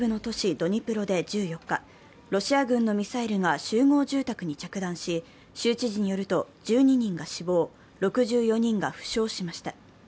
ドニプロで１４日ロシア軍のミサイルが集合住宅に着弾し州知事によると、１２人が死亡、６４人が負傷しました。